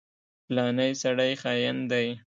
فلانی سړی خاين دی.